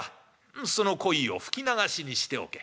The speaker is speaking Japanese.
「うんそのこいを吹き流しにしておけ」。